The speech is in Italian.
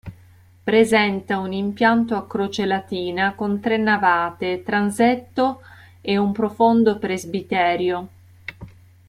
Presenta un impianto a croce latina con tre navate, transetto e un profondo presbiterio.